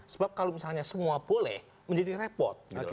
sebab kalau misalnya semua boleh menjadi repot